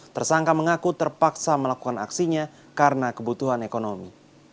tersangka mengaku terpaksa melakukan aksinya karena kebutuhan ekonomi